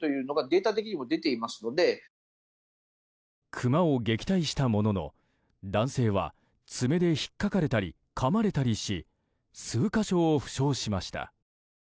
クマを撃退したものの男性は爪でひっかかれたりかまれたりし数か所を負傷しました。